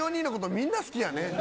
みんな好きやね。